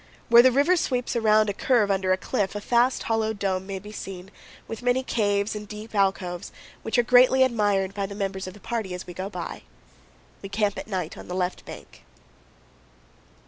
Where the river sweeps around a curve under a cliff, a vast hollow dome may be seen, with many caves and deep alcoves, which are greatly admired by the members of the party as we go by. We camp at night on the left bank.